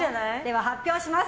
発表します。